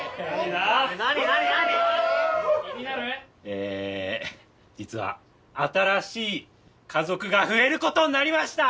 ええ実は新しい家族が増えることになりました！